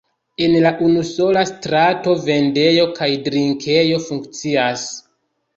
En la unusola strato vendejo kaj drinkejo funkcias.